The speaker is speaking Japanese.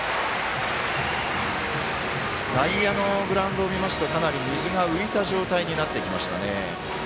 内野のグラウンドを見ますとかなり水が浮いた状態になってきました。